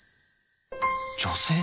女性！！